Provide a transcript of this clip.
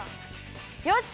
よし！